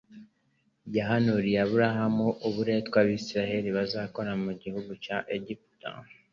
yahanuriye Aburahamu uburetwa Abisiraeli bazakora mu gihugu cy'Egiputa